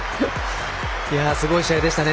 すごい試合でしたね。